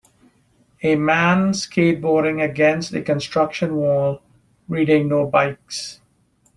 A man skateboarding against a construction wall reading No Bikes.